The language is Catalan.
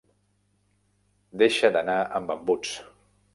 Deixa d'anar amb embuts.